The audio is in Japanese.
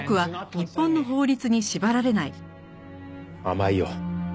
甘いよ。